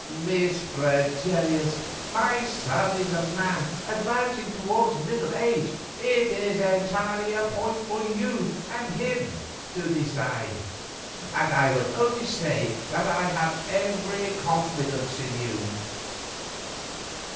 "Miss Fregelius, my son is a man advancing towards middle age. It is entirely a point for you and him to decide, and I will only say that I have every confidence in you."